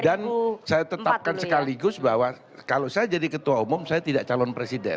dan saya tetapkan sekaligus bahwa kalau saya jadi ketua umum saya tidak calon presiden